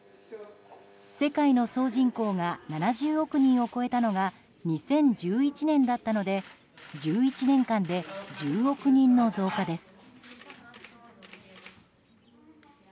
世界の総人口が７０億人を超えたのが２０１１年だったので１１年間で１０億人の増加です。